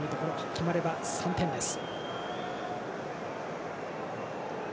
決まれば３点です。